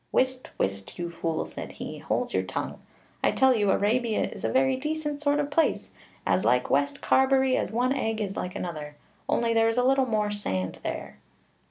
'Whist, whist, you fool,' said he, 'hold your tongue; I tell you Arabia is a very decent sort of place, as like West Carbery as one egg is like another, only there is a little more sand there.'